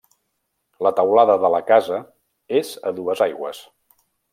La teulada de la casa és a dues aigües.